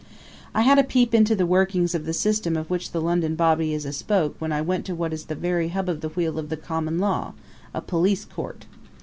I had a peep into the workings of the system of which the London bobby is a spoke when I went to what is the very hub of the wheel of the common law a police court.